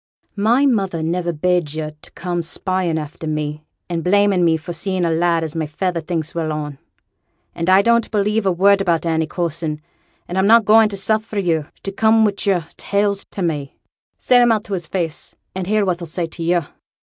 'My mother niver bade yo' to come spying after me, and blaming me for seeing a lad as my feyther thinks well on. An' I don't believe a word about Annie Coulson; an' I'm not going to suffer yo' to come wi' yo'r tales to me; say 'em out to his face, and hear what he'll say to yo'.'